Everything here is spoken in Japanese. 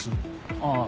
ああ。